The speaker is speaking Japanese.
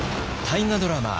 大河ドラマ